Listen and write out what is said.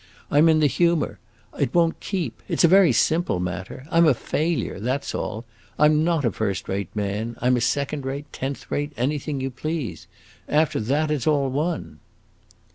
I 'm in the humor; it won't keep! It 's a very simple matter. I 'm a failure, that 's all; I 'm not a first rate man. I 'm second rate, tenth rate, anything you please. After that, it 's all one!"